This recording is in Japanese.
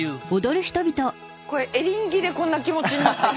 これエリンギでこんな気持ちになってる。